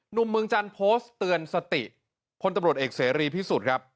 หนุ่มเมืองจันทร์โพสต์เตือนสติพลตำรวจเอกเสรีพิสุทธิ์ครับ